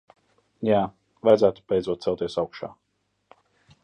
Jā, vajadzētu beidzot celties augšā.